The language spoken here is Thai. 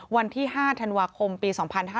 วันที่๕ธันวาคมปี๒๕๕๙